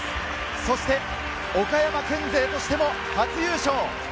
そして岡山県勢としても初優勝。